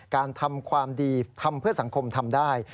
การทำความดีทำเพื่อสังคมทำได้